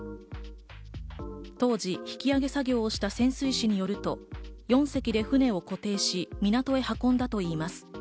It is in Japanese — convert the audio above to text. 当時、引き揚げ作業をした潜水士によると、４隻で船を固定し、港へ運んだといいます。